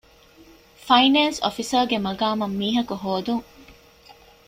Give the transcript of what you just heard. ފައިނޭންސް އޮފިސަރ ގެ މަޤާމަށް މީހަކު ހޯދުން.